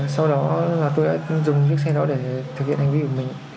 sau đó là tôi đã dùng chiếc xe đó để thực hiện hành vi của mình